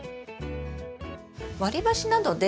割り箸などで。